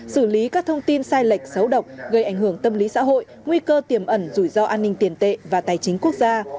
xử lý các thông tin sai lệch xấu độc gây ảnh hưởng tâm lý xã hội nguy cơ tiềm ẩn rủi ro an ninh tiền tệ và tài chính quốc gia